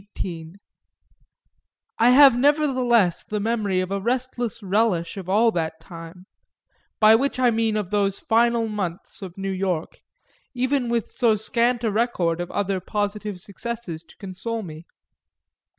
XVIII I have nevertheless the memory of a restless relish of all that time by which I mean of those final months of New York, even with so scant a record of other positive successes to console me.